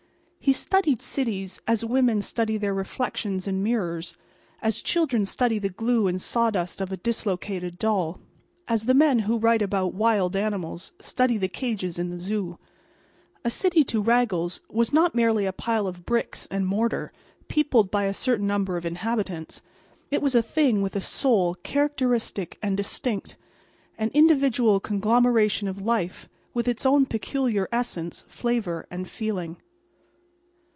He studied cities as women study their reflections in mirrors; as children study the glue and sawdust of a dislocated doll; as the men who write about wild animals study the cages in the zoo. A city to Raggles was not merely a pile of bricks and mortar, peopled by a certain number of inhabitants; it was a thing with a soul characteristic and distinct; an individual conglomeration of life, with its own peculiar essence, flavor and feeling.